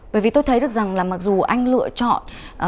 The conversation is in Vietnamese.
bởi vì tôi thấy được rằng là mặc dù anh lựa chọn